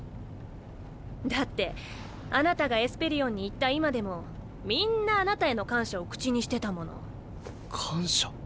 だってあなたがエスペリオンに行った今でもみんなあなたへの感謝を口にしてたもの。感謝？